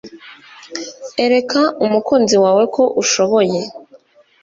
Ereka umukunzi wawe ko ushoboye